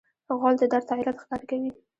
غول د درد علت ښکاره کوي.